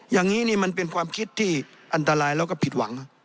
อย่างนี้นี่มันเป็นความคิดที่อันตรายแล้วก็ผิดหวัง